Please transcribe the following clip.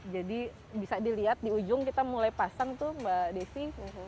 bisa dilihat di ujung kita mulai pasang tuh mbak desi